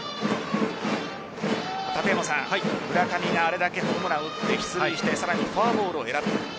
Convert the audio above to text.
館山さん、村上があれだけホームランを打って出塁してさらにフォアボールを選ぶ。